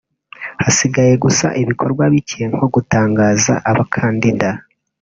Hasigaye gusa ibikorwa bike nko gutangaza abakandida